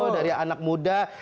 dari anak muda